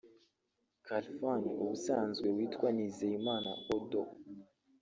Khalfan ubusanzwe witwa Nizeyimana Odo